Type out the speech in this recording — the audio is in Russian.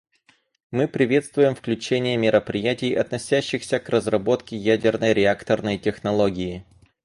Мы приветствуем включение мероприятий, относящихся к разработке ядерной реакторной технологии.